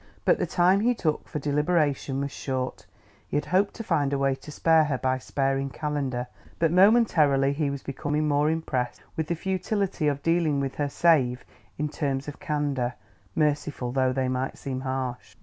But the time he took for deliberation was short. He had hoped to find a way to spare her, by sparing Calendar; but momentarily he was becoming more impressed with the futility of dealing with her save in terms of candor, merciful though they might seem harsh.